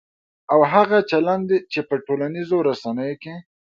او هغه چلند چې په ټولنیزو رسنیو کې